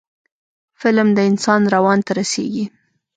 فلم د انسان روان ته رسیږي